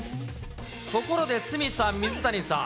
ところで鷲見さん、水谷さん。